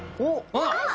あっ！